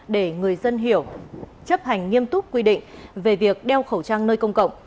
để người dân hiểu chấp hành nghiêm túc quy định về việc đeo khẩu trang nơi công cộng